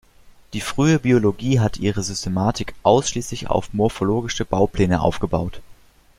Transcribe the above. Die frühe Biologie hat ihre Systematik ausschließlich auf Morphologische Baupläne aufgebaut.